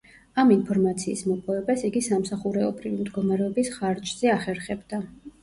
ამ ინფორმაციის მოპოვებას იგი სამსახურეობრივი მდგომარეობის ხარჯზე ახერხებდა.